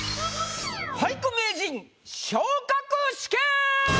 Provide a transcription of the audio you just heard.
俳句名人昇格試験！